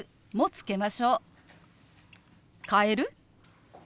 「変える？」。